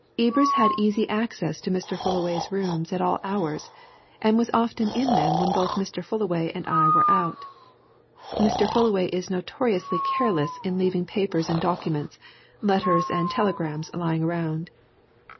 _ Ebers had easy access to Mr. Fullaway's room at all hours, and was often in them when both Mr. Fullaway and I were out. Mr. Fullaway is notoriously careless in leaving papers and documents, letters and telegrams lying around.